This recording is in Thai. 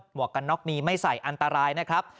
วกกันน็อกนี้ไม่ใส่อันตรายนะครับ